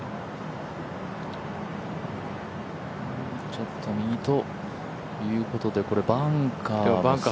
ちょっと右ということで、バンカー？